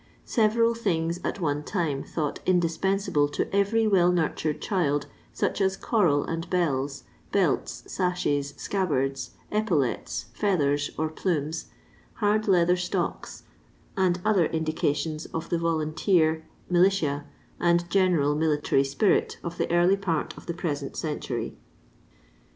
; scveml things at one time thought indispensable to every well nurtured child, such as a coral and bells; belts, sashes, scabbards, epaulettes, feathers or plumes, hard leather stocks, and other indications of the volunteer, militia, and general military spirit of the early part of the present century.